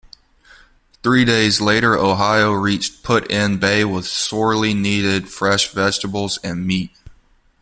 Three days later "Ohio" reached Put-in Bay with sorely needed fresh vegetables and meat.